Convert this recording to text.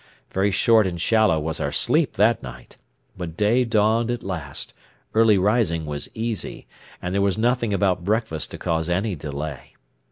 Very short and shallow was our sleep that night; but day dawned at last, early rising was easy, and there was nothing about breakfast to cause any delay.